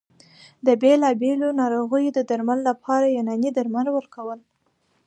د بېلابېلو ناروغیو د درملنې لپاره یوناني درمل ورکول